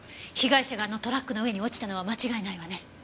被害者があのトラックの上に落ちたのは間違いないわね。